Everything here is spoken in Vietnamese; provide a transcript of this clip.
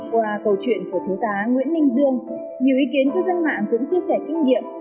qua câu chuyện của thiếu tá nguyễn minh dương nhiều ý kiến cư dân mạng cũng chia sẻ kinh nghiệm